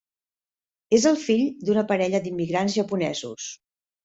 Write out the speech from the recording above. És el fill d'una parella d'immigrants japonesos.